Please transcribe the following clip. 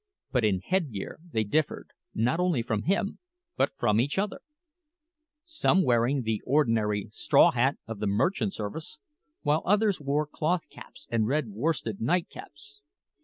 But in head gear they differed, not only from him, but from each other some wearing the ordinary straw hat of the merchant service, while others wore cloth caps and red worsted nightcaps.